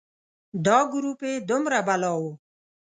دا ګروپ یې دومره بلا و.